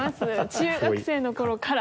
中学生の頃から。